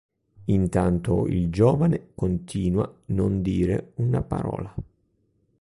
Intanto il giovane continua non dire una parola.